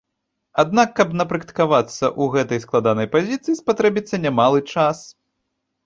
Аднак, каб напрактыкавацца ў гэтай складанай пазіцыі, спатрэбіцца немалы час.